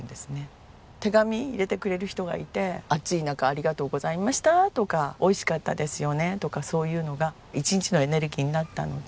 手紙入れてくれる人がいて「暑い中ありがとうございました」とか「美味しかったですよね」とかそういうのが１日のエネルギーになったので。